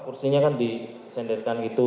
kursinya kan disenderkan gitu